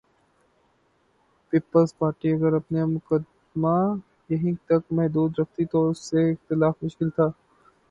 Peoples Party اگر اپنا مقدمہ یہیں تک محدود رکھتی تو اس سے اختلاف مشکل تھا۔